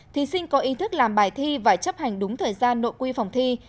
thí sinh có ý thức làm bài thi và chấp hành đúng thời gian nội quy phòng thi